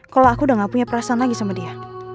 kalau aku udah gak punya perasaan lagi sama dia